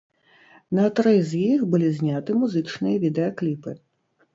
На тры з іх былі зняты музычныя відэакліпы.